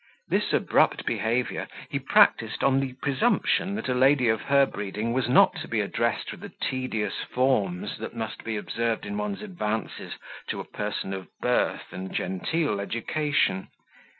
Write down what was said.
This abrupt behaviour he practised on the presumption that a lady of her breeding was not to be addressed with the tedious forms that must be observed in one's advances to a person of birth and genteel education.